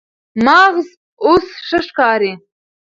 مغز اوس ښه ښکاري.